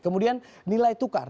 kemudian nilai tukar